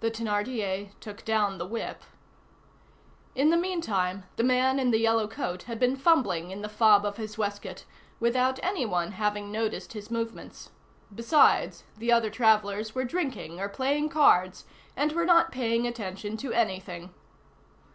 The Thénardier took down the whip. In the meantime, the man in the yellow coat had been fumbling in the fob of his waistcoat, without any one having noticed his movements. Besides, the other travellers were drinking or playing cards, and were not paying attention to anything.